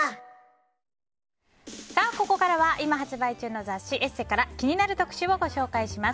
ここからは、今発売中の雑誌「ＥＳＳＥ」から気になる特集をご紹介します。